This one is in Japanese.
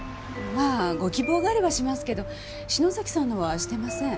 まあご希望があればしますけど篠崎さんのはしてません。